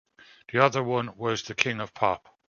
The other one was the King of Pop.